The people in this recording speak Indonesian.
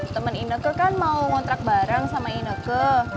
temen ineke kan mau ngontrak barang sama ineke